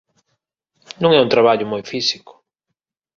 Non é un traballo moi físico.